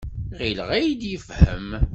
Ɣileɣ ad iyi-d-yefhem.